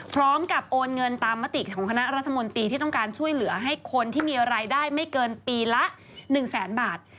โอนเงินตามมติของคณะรัฐมนตรีที่ต้องการช่วยเหลือให้คนที่มีรายได้ไม่เกินปีละ๑แสนบาท